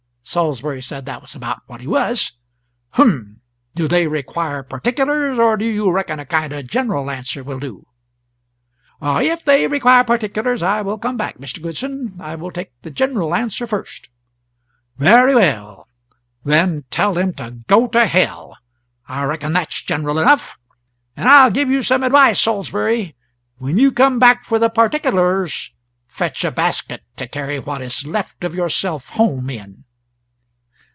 Sawlsberry said that was about what he was. 'H'm. Do they require particulars, or do you reckon a kind of a general answer will do?' 'If they require particulars, I will come back, Mr. Goodson; I will take the general answer first.' 'Very well, then, tell them to go to hell I reckon that's general enough. And I'll give you some advice, Sawlsberry; when you come back for the particulars, fetch a basket to carry what is left of yourself home in.'"